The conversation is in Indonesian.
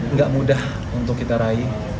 nggak mudah untuk kita raih